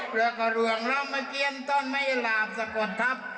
เพราะก็หลวงลำเมื่อกี้ตอนไม่หลาบสะกดทับ